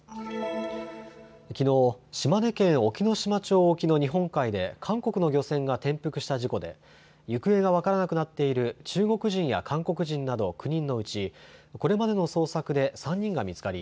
きのう、島根県隠岐の島町沖の日本海で韓国の漁船が転覆した事故で行方が分からなくなっている中国人や韓国人など９人のうちこれまでの捜索で３人が見つかり